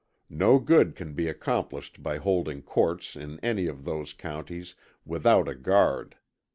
No good can be accomplished by holding courts in any of those counties without a guard.